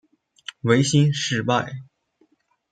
维新事败。